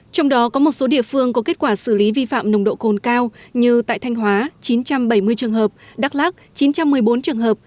trong đó có một số địa phương có kết quả xử lý vi phạm nồng độ cồn cao như tại thanh hóa chín trăm bảy mươi trường hợp đắk lắc chín trăm một mươi bốn trường hợp